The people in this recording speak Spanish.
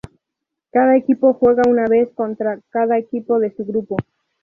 Cada equipo juega una vez contra cada equipo de su grupo.